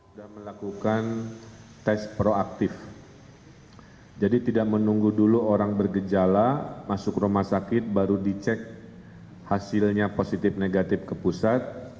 sudah melakukan tes proaktif jadi tidak menunggu dulu orang bergejala masuk rumah sakit baru dicek hasilnya positif negatif ke pusat